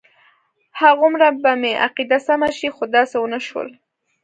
هغومره به مې عقیده سمه شي خو داسې ونه شول.